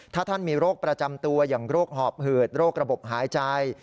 ถ้าท่านมีโรคประจำตัวอย่างโรคหอบหืดโรคระบบหายใจ